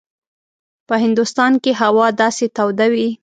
په هندوستان کې هوا داسې توده وي.